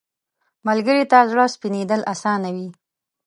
ملګری ته زړه سپینېدل اسانه وي